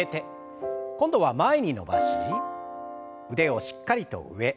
今度は前に伸ばし腕をしっかりと上。